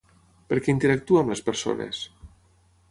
Per què interactua amb les persones?